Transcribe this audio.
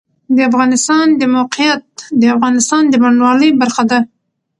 د افغانستان د موقعیت د افغانستان د بڼوالۍ برخه ده.